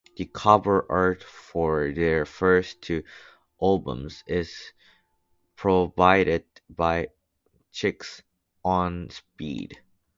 The cover art for their first two albums is provided by Chicks on Speed.